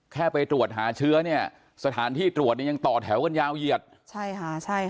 ไปตรวจหาเชื้อเนี่ยสถานที่ตรวจเนี่ยยังต่อแถวกันยาวเหยียดใช่ค่ะใช่ค่ะ